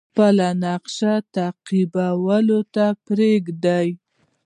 خپلو نقشو تعقیبولو ته پریږدي.